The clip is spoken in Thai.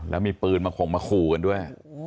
แล้วมีปืนมาข่งมาขู่กันด้วย